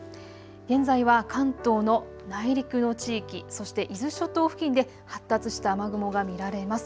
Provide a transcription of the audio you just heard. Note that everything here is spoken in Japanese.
現在は関東の内陸の地域、そして伊豆諸島付近で発達した雨雲が見られます。